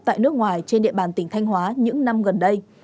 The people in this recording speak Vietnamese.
tại nước ngoài trên địa bàn tỉnh thanh hóa những năm gần đây